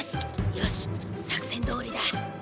よし作戦どおりだ。